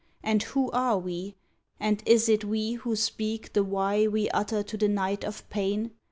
And who are we? And is it we who speak The Why we utter to the night of pain.